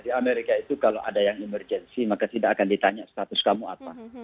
di amerika itu kalau ada yang emergensi maka tidak akan ditanya status kamu apa